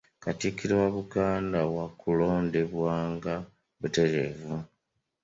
Katikkiro wa Buganda waakulondebwanga butereevu.